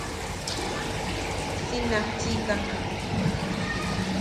Si natchiʼikak.